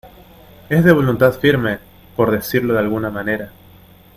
es de voluntad firme. por decirlo de alguna manera .